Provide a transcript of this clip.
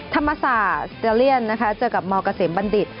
ธรรมศาสตร์สเตอร์เลียนเจอกับมกระเสมบัณฑิต